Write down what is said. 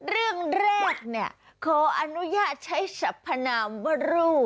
เรื่องแรกเนี่ยขออนุญาตใช้สัพพนามว่ารู